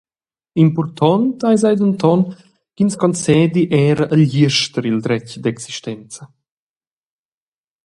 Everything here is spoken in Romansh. Impurtont eis ei denton ch’ins concedi era agl jester il dretg d’existenza.